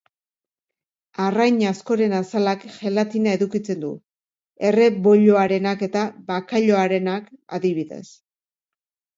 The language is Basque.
Arrain askoren azalak gelatina edukitzen du, erreboiloarenak eta bakailaoarenak, adibidez.